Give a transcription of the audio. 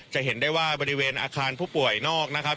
จะเห็นได้ว่าบริเวณอาคารผู้ป่วยนอกนะครับ